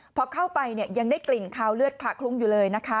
พอเข้าไปยังได้กลิ่นคาวเลือดขละคลุ้งอยู่เลยนะคะ